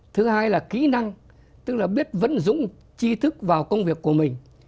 thứ hai là kỹ năng tức là biết vận dụng chi thức vào công việc của mình